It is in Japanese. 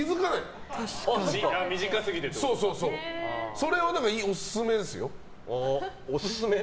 それはオススメですよ。